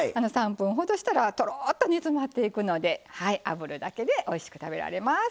３分ほどしたらとろっと煮詰まっていくのであぶるだけでおいしく食べられます。